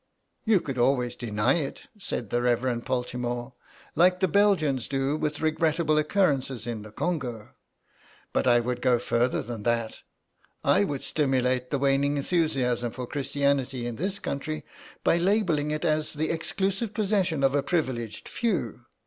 "You could always deny it," said the Rev. Poltimore, "like the Belgians do with regrettable occurrences in the Congo. But I would go further than that. I would stimulate the waning enthusiasm for Christianity in this country by labelling it as the exclusive possession of a privileged few.